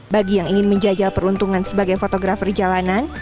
bagi yang ingin menjajal peruntungan sebagai fotografer jalanan